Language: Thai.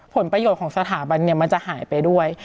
ผลประโยชน์ของสถาบันมันจะหายไปด้วย